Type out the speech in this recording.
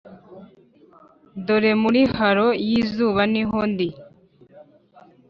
dore, muri halo yizuba niho ndi